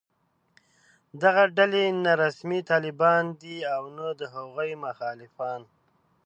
دغه ډلې نه رسمي طالبان دي او نه د هغوی مخالفان